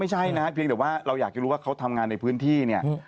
ไม่ใช่นะเพียงแต่ว่าเราอยากจะรู้ว่าเขาทำงานในพื้นที่เนี่ย